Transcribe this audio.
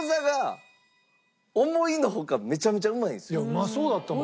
いやうまそうだったもん。